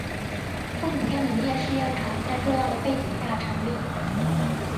奉天农业试验场在这样的背景下成立。